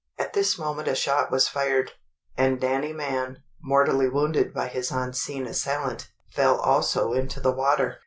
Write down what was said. At this moment a shot was fired, and Danny Mann, mortally wounded by his unseen assailant, fell also into the water.